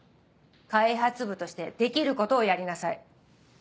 開発部としてできることをやりなさい。